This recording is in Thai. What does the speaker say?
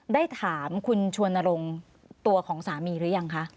ได้ถามคุณชวนรงค์ตัวของสามีหรือยังคะ